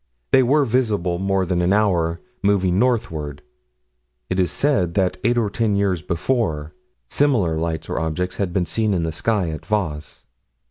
They were visible more than an hour, moving northward. It is said that eight or ten years before similar lights or objects had been seen in the sky, at Vence.